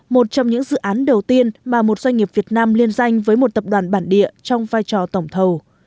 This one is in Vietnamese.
một trong những dự án đầu tiên mà một doanh nghiệp việt nam liên danh với một tập đoàn bản địa trong vai trò tổng thầu